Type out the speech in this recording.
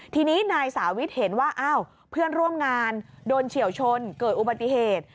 ทีนี้นายสาวิทเห็นว่าอ้าวเพื่อนร่วมงานโดนเฉียวชนเกิดอุบัติเหตุ